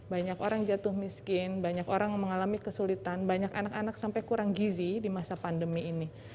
banyak orang jatuh miskin banyak orang mengalami kesulitan banyak anak anak sampai kurang gizi di masa pandemi ini